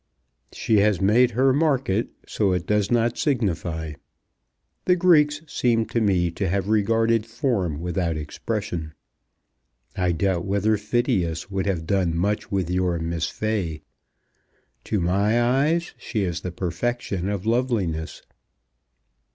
"She has made her market, so it does not signify. The Greeks seem to me to have regarded form without expression. I doubt whether Phidias would have done much with your Miss Fay. To my eyes she is the perfection of loveliness."